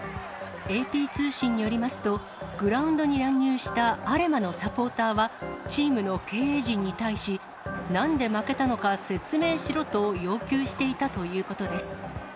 ＡＰ通信によりますと、グラウンドに乱入したアレマのサポーターは、チームの経営陣に対し、なんで負けたのか説明しろと要求していたということです。